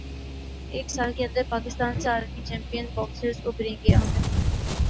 ایک سال کے اندر پاکستان سے عالمی چیمپئن باکسرز ابھریں گے عامر خان